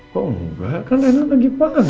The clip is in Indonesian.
kok engga kan reina lagi bangun